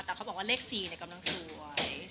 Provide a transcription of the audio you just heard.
แต่เขาบอกว่าเลข๔กำลังสวย